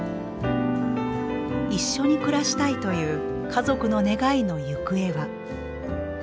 一緒に暮らしたいという家族の願いの行方は。